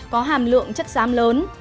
có hàm lượng chất xám lớn